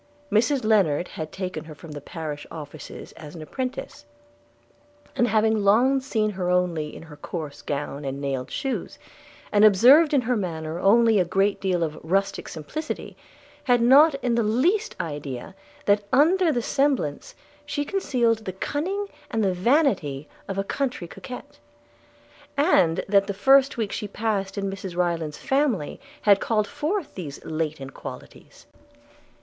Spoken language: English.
Mrs Lennard had taken her from the parish officers as an apprentice; and having long seen her only in her coarse gown and nailed shoes, and observed in her manner only a great deal of rustic simplicity, had not the least idea that under the semblance she concealed the cunning and the vanity of a country coquet; and that the first week she passed in Mrs Rayland's family had called forth these latent qualities.